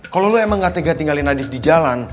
kalo lo emang gak tega tinggalin nadif di jalan